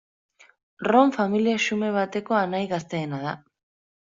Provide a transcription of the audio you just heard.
Ron familia xume batekoa anaia gazteena da.